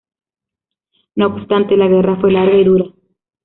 No obstante, la guerra fue larga y dura.